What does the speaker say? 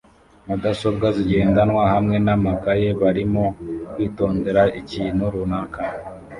mudasobwa zigendanwa hamwe namakaye barimo kwitondera ikintu runaka